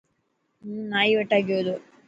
هون نائي وٽا گي تو.